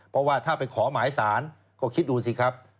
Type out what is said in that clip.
เพราะว่าถ้าไปขอหมายสารก็คิดดูสิครับ